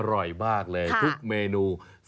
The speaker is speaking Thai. โอ้โหอร่อยมากเลยทุกเมนูค่ะ